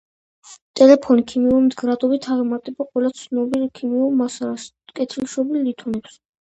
ტეფლონი ქიმიური მდგრადობით აღემატება ყველა ცნობილ ქიმიურ მასალას და კეთილშობილ ლითონებს.